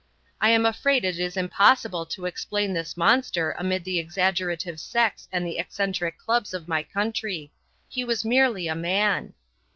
I am afraid it is impossible to explain this monster amid the exaggerative sects and the eccentric clubs of my country. He was merely a man.